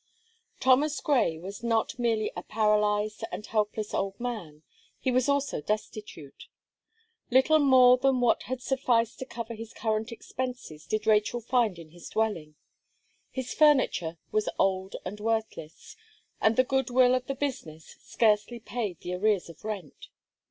Thomas Gray was not merely a paralyzed and helpless old man, he was also destitute. Little more than what sufficed to cover his current expenses did Rachel find in his dwelling; his furniture was old and worthless; and the good will of the business scarcely paid the arrears of rent.